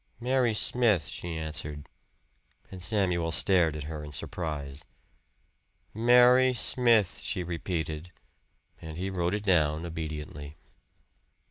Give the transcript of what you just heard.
"Mary Smith," she answered, and Samuel stared at her in surprise. "Mary Smith," she repeated, and he wrote it down obediently.